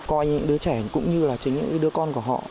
coi những đứa trẻ cũng như là chính những đứa con của họ